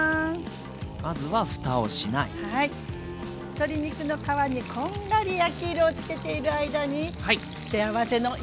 鶏肉の皮にこんがり焼き色をつけている間に付け合わせの野菜の準備よ。